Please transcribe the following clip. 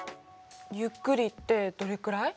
ゆっくりってどれくらい？